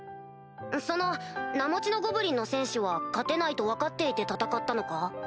その名持ちのゴブリンの戦士は勝てないと分かっていて戦ったのか？